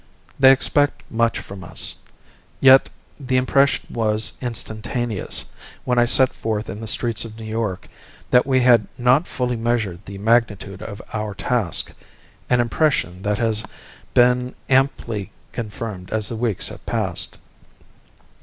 They expect much from us. Yet the impression was instantaneous, when I set forth in the streets of New York, that we had not fully measured the magnitude of our task an impression that has been amply confirmed as the weeks have passed.